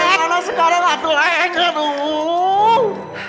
gimana sekarang leng aduh